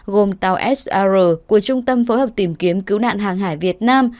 gồm tàu sr của trung tâm phối hợp tìm kiếm cứu nạn hàng hải việt nam